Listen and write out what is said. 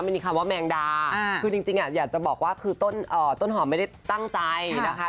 ไม่มีคำว่าแมงดาคือจริงอยากจะบอกว่าคือต้นหอมไม่ได้ตั้งใจนะคะ